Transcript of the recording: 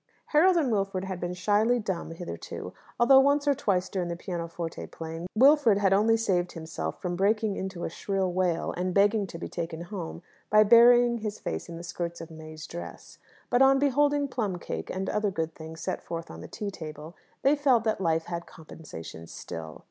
Harold and Wilfred had been shyly dumb hitherto, although once or twice during the pianoforte playing Wilfred had only saved himself from breaking into a shrill wail and begging to be taken home, by burying his face in the skirts of May's dress; but on beholding plum cake and other good things set forth on the tea table, they felt that life had compensations still.